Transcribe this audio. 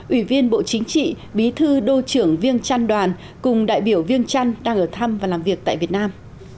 ủy viên bộ chính trị bí thư đô trưởng viêng trăn đoàn cùng đại biểu viêng trăn đang ở thăm và làm việc tại việt nam